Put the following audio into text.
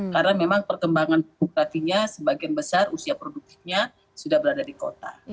karena memang perkembangan demokrafinya sebagian besar usia produktifnya sudah berada di kota